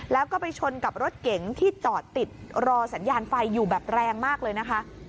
แล้วก็ไปชนกับรถเก๋งที่จอดติดรอสัญญาณไฟอยู่แบบแรงมากเลยนะคะ